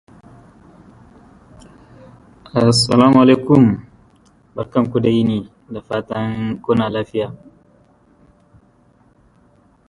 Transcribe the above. This film was never made.